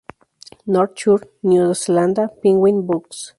North Shore, New Zealand: Penguin Books.